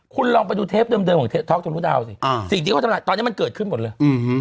คุณลองไปดูเทปเดิมของเทปท็อกทะลุดาวสิสิ่งที่เขาทำตอนนี้มันเกิดขึ้นหมดเลย